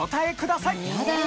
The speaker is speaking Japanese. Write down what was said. やだ！